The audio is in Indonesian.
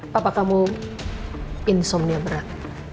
papa kamu insomnia berat